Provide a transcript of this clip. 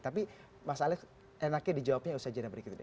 tapi mas alex enaknya dijawabnya usaha jadwal berikut ini